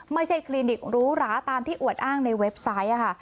ไม่ใช่คลินิครู้หลาตามที่อวดอ้างในเว็บไซต์